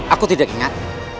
aku tidak ingat